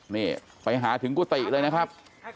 นี่ไปหาถึงกุฏิเลยนะครับ